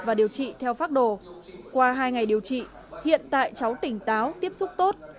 và điều trị theo phác đồ qua hai ngày điều trị hiện tại cháu tỉnh táo tiếp xúc tốt